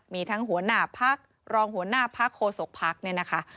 มีทั้งหัวหน้าพักรองหัวหน้าพักโฆษกภักดิ์เนี่ยนะคะ